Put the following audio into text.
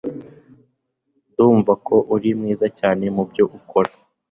Ndumva ko uri mwiza cyane mubyo ukora.